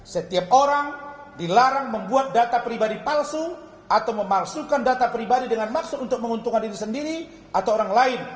setiap orang dilarang membuat data pribadi palsu atau memalsukan data pribadi dengan maksud untuk menguntungkan diri sendiri atau orang lain